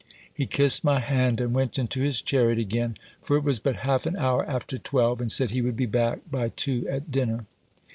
He kissed my hand, and went into his chariot again; for it was but half an hour after twelve; and said he would be back by two at dinner.